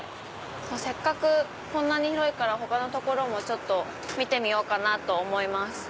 せっかくこんなに広いから他の所も見てみようと思います。